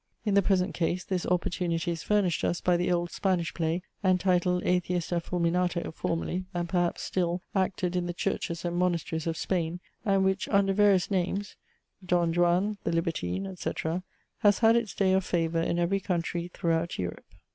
In the present case this opportunity is furnished us, by the old Spanish play, entitled Atheista Fulminato, formerly, and perhaps still, acted in the churches and monasteries of Spain, and which, under various names (Don Juan, the Libertine, etc.) has had its day of favour in every country throughout Europe.